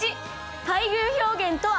「待遇表現とは」。